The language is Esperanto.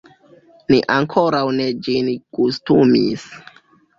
Ni ankoraŭ ne ĝin gustumis.